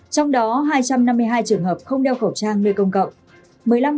trong đó hai trăm năm mươi hai trường hợp không đeo khẩu trang nơi công cộng